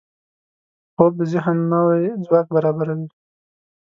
خوب د ذهن نوي ځواک برابروي